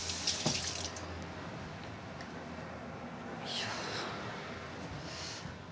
いや。